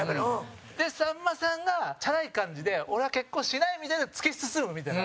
で、さんまさんがチャラい感じで「俺は結婚しない」みたいなのを突き進むみたいな。